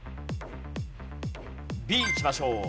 Ｂいきましょう。